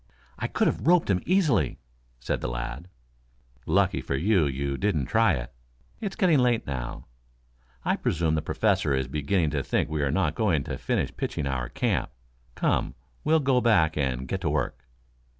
"I could have roped him easily," said the lad. "Lucky for you that you didn't try it. It's getting late now. I presume the Professor is beginning to think we are not going to finish pitching our camp. Come, we'll go back and get to work."